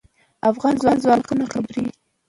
افغان ځواکونه خپرېږي.